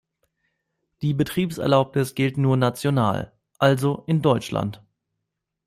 Die Betriebserlaubnis gilt nur national, also in Deutschland.